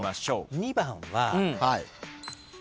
２番は。